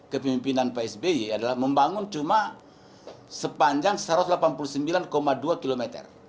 kepemimpinan pak sby adalah membangun cuma sepanjang satu ratus delapan puluh sembilan dua km